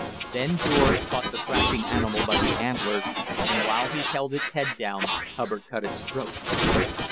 Then George caught the thrashing animal by the antlers, and while he held its head down Hubbard cut its throat.